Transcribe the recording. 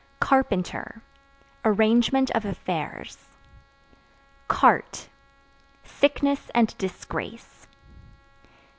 Carpenter Arrangement of affairs. Cart Sickness and disgrace.